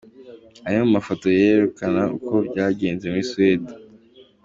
Amwe mu mafoto yerekana uko byagenze muri Suède.